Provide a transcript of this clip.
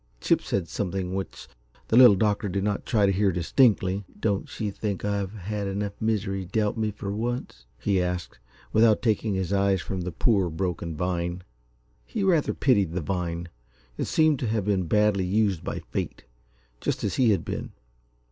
Chip said something which the Little Doctor did not try to hear distinctly. "Don't she think I've had enough misery dealt me for once?" he asked, without taking his eyes from the poor, broken vine. He rather pitied the vine it seemed to have been badly used by fate, just as he had been.